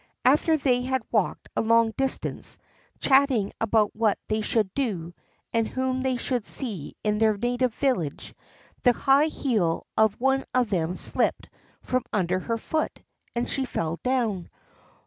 After they had walked a long distance, chatting about what they should do and whom they should see in their native village, the high heel of one of them slipped from under her foot, and she fell down.